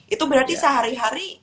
itu berarti sehari hari